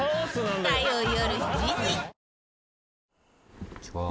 こんにちは。